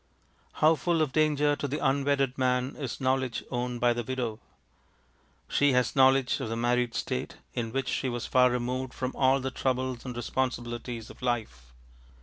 How full of danger to the unwedded men is knowledge owned by the widow! She has knowledge of the married state, in which she was far removed from all the troubles and responsibilities of life.